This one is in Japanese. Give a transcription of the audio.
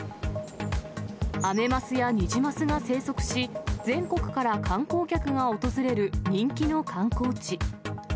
アメマスやニジマスが生息し、全国から観光客が訪れる人気の観光地。